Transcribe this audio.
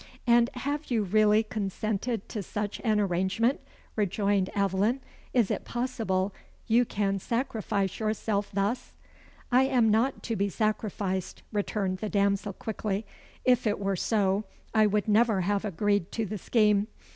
"And have you really consented to such an arrangement?" rejoined Aveline. "Is it possible you can sacrifice yourself thus?" "I am not to be sacrificed," returned the damsel quickly. "If it were so, I would never have agreed to the scheme.